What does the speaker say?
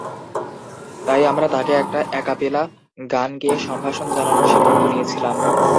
তাই, আমরা তাকে একটা অ্যাক্যাপেলা গান গেয়ে সম্ভাষণ জানানোর সিদ্ধান্ত নিয়েছিলাম।